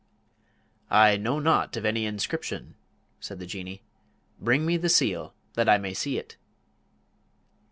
"I know naught of any inscription," said the Jinnee; "bring me the seal that I may see it."